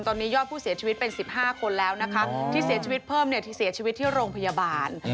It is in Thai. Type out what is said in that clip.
ตอนนี้ยอดผู้เสียชีวิตเป็น๑๕คนแล้วนะคะที่เสียชีวิตเพิ่มที่เสียชีวิตที่โรงพยาบาล